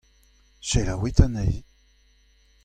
Selaouit anezhi.